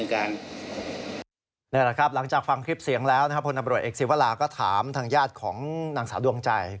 นี่แหละครับหลังจากฟังคลิปเสียงแล้วพลตำรวจเอกศิวราก็ถามทางญาติของนางสาวดวงใจ